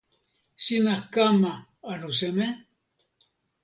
sina kama anu seme?